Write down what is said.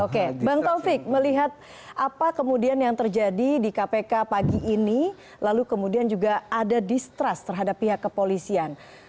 oke bang taufik melihat apa kemudian yang terjadi di kpk pagi ini lalu kemudian juga ada distrust terhadap pihak kepolisian